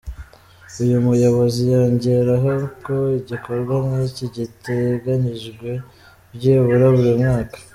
Uyu muyobozi yongeraho ko igikorwa nk’iki giteganyijwe byibura buri mwaka.